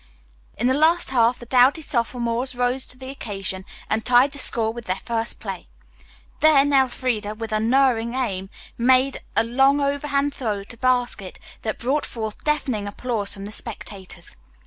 In the last half the doughty sophomores rose to the occasion and tied the score with their first play. Then Elfreda, with unerring aim, made a long overhand throw to basket that brought forth deafening applause from the spectators.